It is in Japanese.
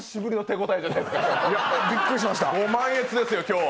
ご満悦ですよ、今日は。